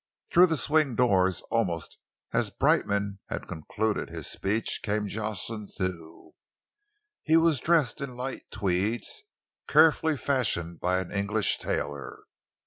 Through the swing doors, almost as Brightman had concluded his speech, came Jocelyn Thew. He was dressed in light tweeds, carefully fashioned by an English tailor.